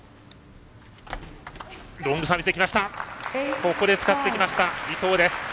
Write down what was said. ここで使ってきました、伊藤です。